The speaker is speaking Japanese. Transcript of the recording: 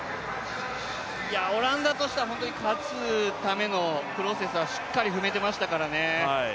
オランダとしては本当に勝つためのプロセスはしっかり踏めてましたからね。